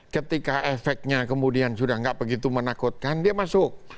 ketika efeknya kemudian sudah tidak begitu menakutkan dia masuk